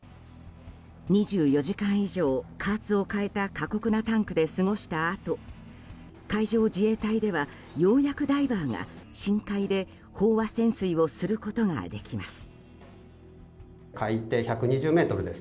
２４時間以上、加圧を変えた過酷なタンクで過ごしたあと海上自衛隊ではようやくダイバーが深海で飽和潜水をすることができます。